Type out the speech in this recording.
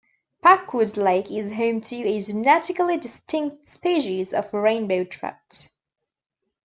Packwood Lake is home to a genetically distinct species of rainbow trout.